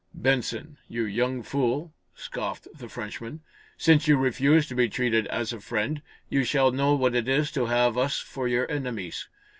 "Benson, you young fool," scoffed the Frenchman, "since you refuse to be treated as a friend, you shall know what it is to have us for your enemies.